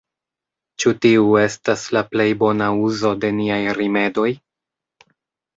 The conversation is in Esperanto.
Ĉu tiu estas la plej bona uzo de niaj rimedoj?